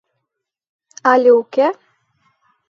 Але уке?